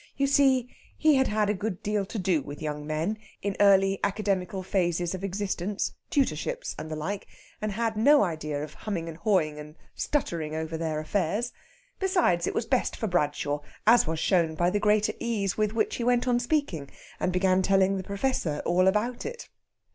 You see, he had had a good deal to do with young men in early academical phases of existence tutorships and the like and had no idea of humming and hawing and stuttering over their affairs. Besides, it was best for Bradshaw, as was shown by the greater ease with which he went on speaking, and began telling the Professor all about it.